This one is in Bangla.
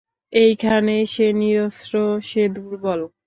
এইখানেই সে নিরস্ত্র, সে দুর্বল।